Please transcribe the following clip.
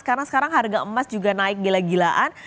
karena sekarang harga emas juga naik gila gilaan